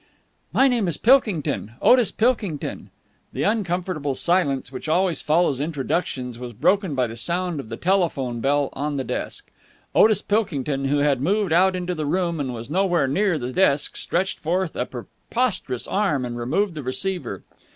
"My name is Pilkington. Otis Pilkington." The uncomfortable silence which always follows introductions was broken by the sound of the telephone bell on the desk. Otis Pilkington, who had moved out into the room and was nowhere near the desk, stretched forth a preposterous arm and removed the receiver.